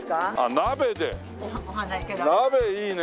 鍋いいね。